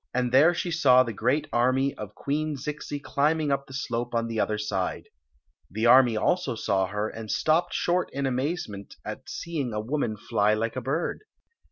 2) 17+ Queen Zixi of Ix; or, the and there she saw the great army of Queen Zixi climbing up the slope on the other side. The army also saw her, and stopped short in amazement at see ing a woman fly like a bird.